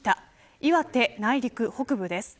岩手内陸、北部です。